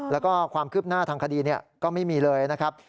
แล้วก็ความคืบหน้าทางคดีก็ไม่มีเลยนะครับ